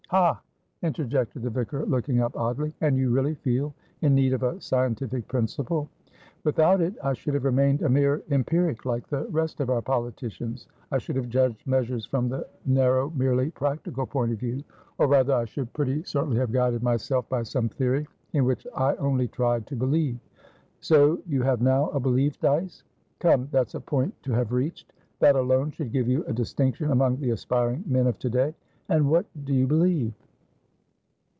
"Ha!" interjected the vicar, looking up oddly. "And you really feel in need of a scientific principle?" "Without it, I should have remained a mere empiric, like the rest of our politicians. I should have judged measures from the narrow, merely practical point of view; or rather, I should pretty certainly have guided myself by some theory in which I only tried to believe." "So you have now a belief, Dyce? Come, that's a point to have reached. That alone should give you a distinction among the aspiring men of to day. And what do you believe?"